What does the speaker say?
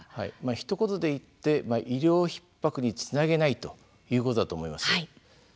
ひと言で言って医療ひっ迫につなげないということだと思います。